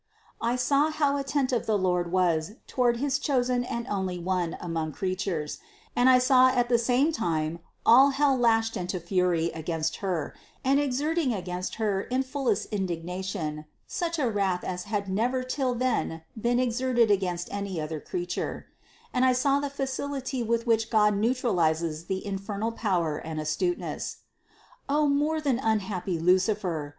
I saw how attentive the Lord was toward his chosen and only One among creatures; and I saw at the same time all hell lashed into fury against Her and exerting against Her in fullest indignation such a wrath as had never till then been exerted against any other creature ; and I saw the facility with which God neutralizes the infernal power and astuteness. O more than unhappy Lucifer!